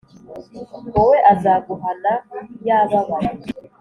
wowe azaguhana yababaye